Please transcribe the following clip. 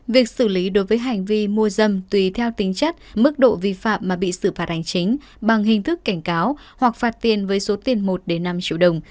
việc xử lý đối với hành vi mua dâm tùy theo tính chất mức độ vi phạm mà bị xử phạt hành chính bằng hình thức cảnh cáo hoặc phạt tiền với số tiền một năm triệu đồng